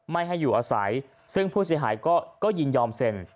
ไม่ให้อยู่อาศัยซึ่งผู้เสียหายก็ยินยอมเซ็น